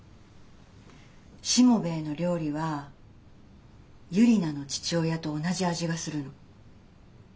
しもべえの料理はユリナの父親と同じ味がするの。